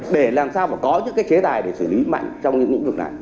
để làm sao mà có những cái chế tài để xử lý mạnh trong những vấn đề này